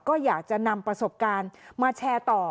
ก็อยากจะนำประสบการณ์มาแชร์ต่อ